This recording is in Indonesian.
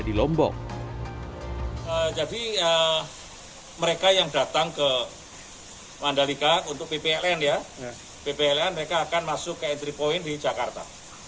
jadi mereka yang datang ke mandalika untuk ppln ya ppln mereka akan masuk ke entry point di jakarta